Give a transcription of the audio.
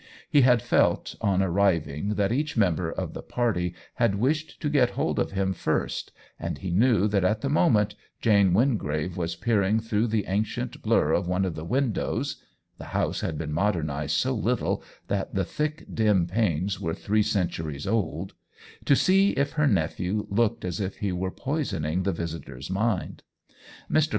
He had felt on arriving that each member of the party had wished to get hold of him first, and he knew that at that moment Jane Wingrave was peering through the ancient blur of one of the windows (the house had been modernized so little that the thick dim panes were three centuries old) to see if her nephew looked as if he were poison ing the visitor*s mind. Mr.